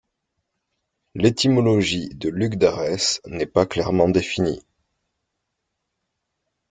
L'étymologie de Lugdarès n'est pas clairement définie.